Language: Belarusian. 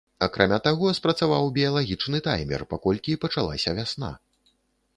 Акрамя таго, спрацаваў біялагічны таймер, паколькі пачалася вясна.